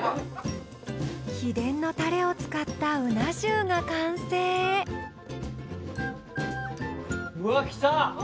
秘伝のタレを使ったうな重が完成うわきた！